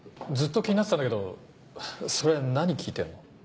ずっと気になってたんだけどそれ何聞いてるの？